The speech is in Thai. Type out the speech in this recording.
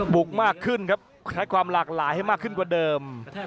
บุกมากขึ้นครับใช้ความหลากหลายให้มากขึ้นกว่าเดิม